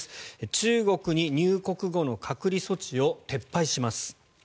中国に入国後の隔離措置を撤廃します。